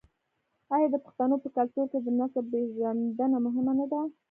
آیا د پښتنو په کلتور کې د نسب پیژندنه مهمه نه ده؟